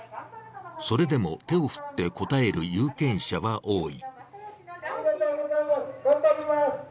それでも手を振って応える有権者は多い。